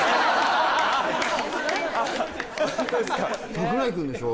櫻井君でしょ？